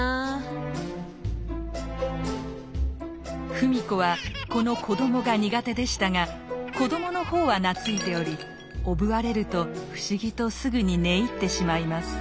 芙美子はこの子どもが苦手でしたが子どもの方は懐いておりおぶわれると不思議とすぐに寝入ってしまいます。